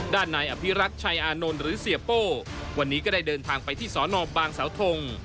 ด้านนายอภิรักษ์ชัยอานนท์หรือเสียโป้วันนี้ก็ได้เดินทางไปที่สอนอบางสาวทง